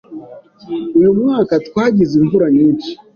Uyu mwaka twagize imvura nyinshi.